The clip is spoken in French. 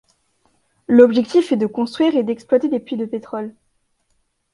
L'objectif est de construire et d'exploiter des puits de pétrole.